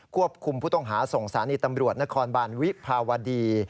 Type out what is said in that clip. ควบคุมผู้ต้องหาส่งสารีตำรวจนครบานวิภาวดี